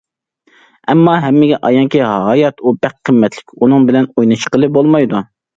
ئەمما ھەممىگە ئايانكى، ھايات ئۇ بەك قىممەتلىك، ئۇنىڭ بىلەن ئويناشقىلى بولمايدۇ.